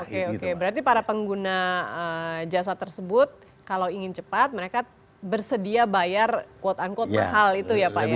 oke oke berarti para pengguna jasa tersebut kalau ingin cepat mereka bersedia bayar quote unquote mahal itu ya pak ya